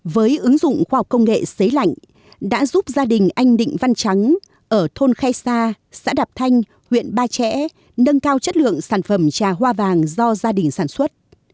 với ứng dụng khoa học công nghệ xế lạnh đã giúp gia đình anh định văn trắng ở thôn khay sa xã đạp thanh huyện ba trẻ nâng cao chất lượng sản phẩm trà hoa vàng do gia đình sản xuất